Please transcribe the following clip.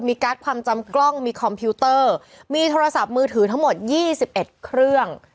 การ์ดความจำกล้องมีคอมพิวเตอร์มีโทรศัพท์มือถือทั้งหมด๒๑เครื่อง